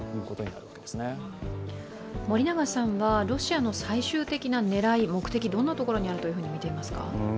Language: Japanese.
ロシアの最終的な狙い、目的、どんなところにあるとみていますか。